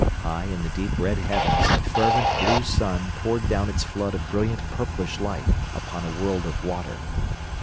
High in the deep red heavens a fervent blue sun poured down its flood of brilliant purplish light upon a world of water.